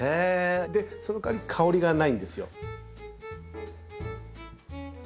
そのかわり香りがないんですよ。